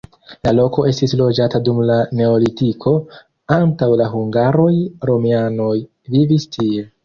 La loko estis loĝata dum la neolitiko, antaŭ la hungaroj romianoj vivis tie.